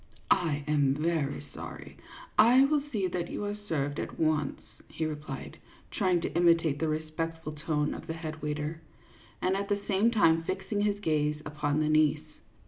" I am very sorry ; I will see that you are served at once," he replied, trying to imitate the respectful tone of the head waiter, and at the same time fixing his gaze upon the niece.